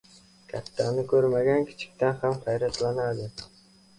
• Kattani ko‘rmagan kichikdan ham hayratlanadi.